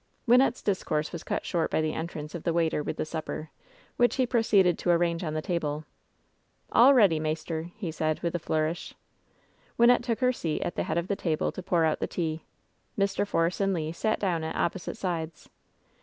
Wynnette^s discourse was cut short by the entrance of the waiter with the supper, which he proceeded to ar range on the table. "AH ready, maister," he said, with a flourish. Wynnette took her seat at the head of the table to pour out the tea. Mr. Force and Le sat down at opposite sides.